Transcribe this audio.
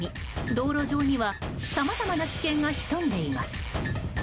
道路上にはさまざまな危険が潜んでいます。